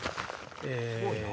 すごいな。